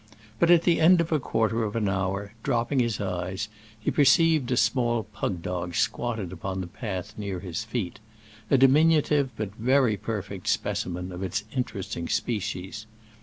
But at the end of a quarter of an hour, dropping his eyes, he perceived a small pug dog squatted upon the path near his feet—a diminutive but very perfect specimen of its interesting species.